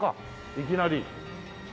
いきなり。